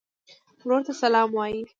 ورور ته سلام وایې.